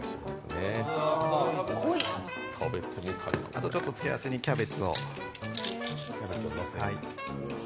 あと付け合わせにキャベツを。